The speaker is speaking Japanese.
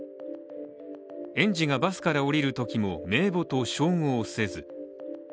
園児がバスから降りるときも名簿と照合せず。